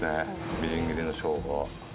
みじん切りのショウガ。